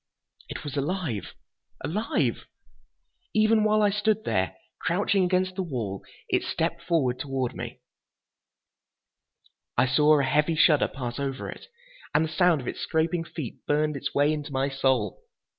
It was alive! Alive! Even while I stood there, crouching against the wall, it stepped forward toward me. I saw a heavy shudder pass over it, and the sound of its scraping feet burned its way into my soul.